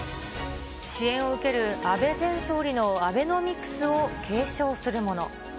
支援を受ける安倍前総理のアベノミクスを継承するもの。